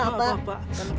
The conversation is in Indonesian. kami tidak sengaja